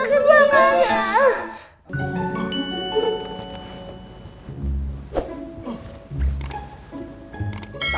tadi gua ketemu pipa